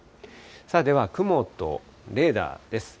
では雲とレーダーです。